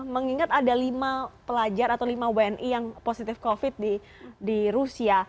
mengingat ada lima pelajar atau lima wni yang positif covid di rusia